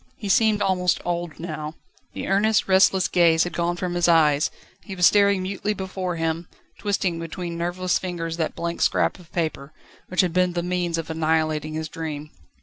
He seemed almost old now. The earnest, restless gaze had gone from his eyes; he was staring mutely before him, twisting between nerveless fingers that blank scrap of paper, which had been the means of annihilating his dream.